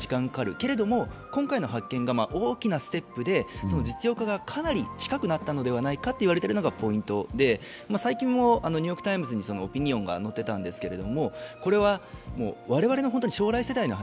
けれども、今回の発見が大きなステップで、実用化がかなり近くなったのではないかと言われているのがポイントで、最近も「ニューヨーク・タイムズ」にオピニオンが載っていたんですけれども、これは我々の将来世代の話。